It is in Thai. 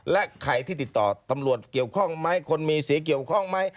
และใครที่ติดต่อตำรวจเกี่ยวข้องไหมคนมีเสียเกี่ยวข้องไหม